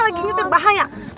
tante lagi nyetir bahaya